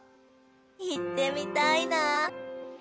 行ってみたいなぁ。